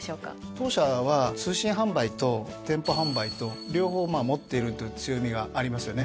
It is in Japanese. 当社は通信販売と店舗販売と両方持っているという強みがありますよね。